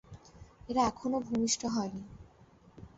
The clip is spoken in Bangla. এরা এখনো ভূমিষ্ঠ হয়নি।